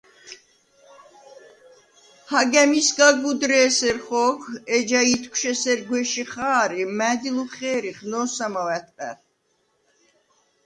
–ჰაგა̄̈მისგა გუდრ’ე̄სერ ხო̄გ, ეჯა ითქშუ̂ ესერ გუ̂ეში ხა̄რ ი მა̈დილუ ხე̄რიხ, ნო̄სამაუ̂ ა̈თყა̈რ!